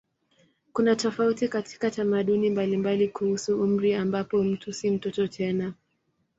Kuna tofauti katika tamaduni mbalimbali kuhusu umri ambapo mtu si mtoto tena.